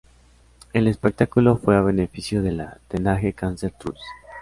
El espectáculo fue a beneficio de la Teenage Cancer Trust.